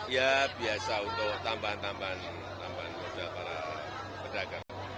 ya biasa untuk tambahan tambahan tambahan modal para pedagang